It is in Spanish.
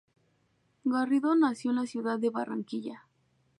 Garrido nació en la ciudad de Barranquilla.